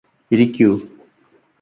ഇരിക്കു